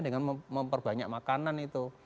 dengan memperbanyak makanan itu